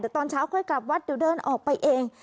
แต่ตอนเช้าค่อยกลับวัดเดี๋ยวเดินออกไปเอง